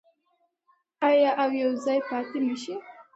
آیا او یوځای پاتې نشي؟